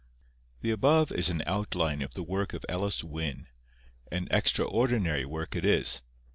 The above is an outline of the work of Elis Wyn—an extraordinary work it is.